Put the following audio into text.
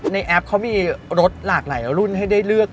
แอปเขามีรถหลากหลายรุ่นให้ได้เลือก